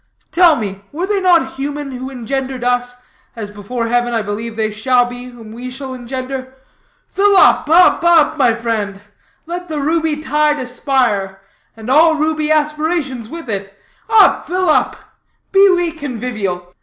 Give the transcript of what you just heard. Tell me, were they not human who engendered us, as before heaven I believe they shall be whom we shall engender? Fill up, up, up, my friend. Let the ruby tide aspire, and all ruby aspirations with it! Up, fill up! Be we convivial.